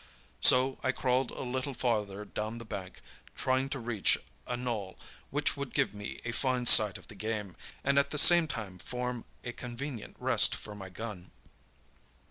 "So I crawled a little farther down the bank, trying to reach a knoll which would give me a fine sight of the game, and at the same time form a convenient rest for my gun.